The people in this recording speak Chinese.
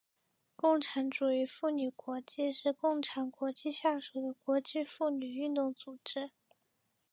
共产主义妇女国际是共产国际下属的国际妇女运动组织。